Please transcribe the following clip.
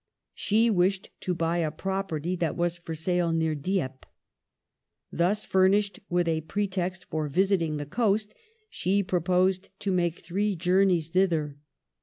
She wished to buy a property that was for sale near Dieppe. Thus furnished with a pretext for visiting the coast, she proposed to make three journeys thither.